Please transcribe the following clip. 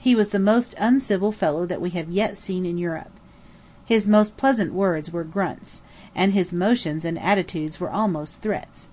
He was the most uncivil fellow that we have yet seen in Europe. His most pleasant words were grunts, and his motions and attitudes were almost threats.